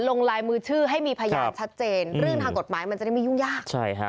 ลงลายมือชื่อให้มีพยานชัดเจนเรื่องทางกฎหมายมันจะได้ไม่ยุ่งยากใช่ฮะ